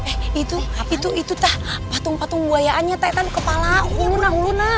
eh itu itu itu tah patung patung buayaannya taitan kepala huluna huluna